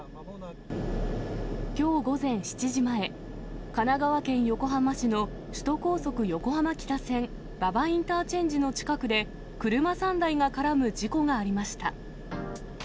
きょう午前７時前、神奈川県横浜市の首都高速横浜北線馬場インターチェンジの近くで、車３台が絡む事故がありました。